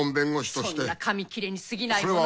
そんな紙切れにすぎないものを。